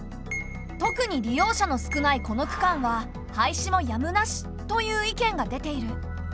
特に利用者の少ないこの区間は廃止もやむなしという意見が出ている。